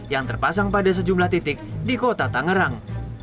yang terpasang pada sejumlah titik di kota tangerang